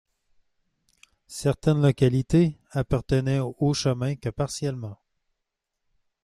Certaines localités appartenaient au Haut-Chemin que partiellement.